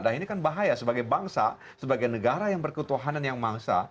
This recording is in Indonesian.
nah ini kan bahaya sebagai bangsa sebagai negara yang berketuhanan yang mangsa